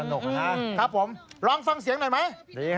อ๋อสนุกนะครับครับผมลองฟังเสียงหน่อยไหมดีครับ